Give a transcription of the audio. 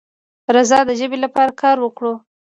راځه د ژبې لپاره کار وکړو.